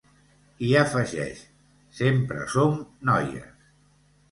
I afegeix: Sempre som noies.